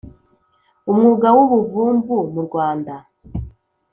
umwuga w ubuvumvu mu Rwanda